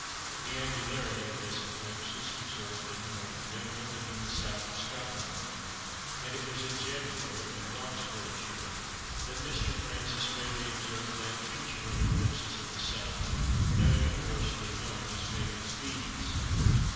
The annularity of this eclipse was observed in the N. of England and in the S. of Scotland; and it was at Jedburgh in Roxburghshire that Mr. Francis Baily observed that feature of eclipses of the Sun now universally known as "Baily's Beads."